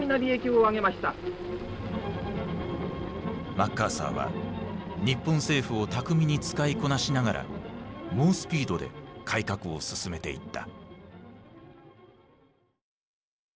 マッカーサーは日本政府を巧みに使いこなしながら猛スピードで改革を進めていった。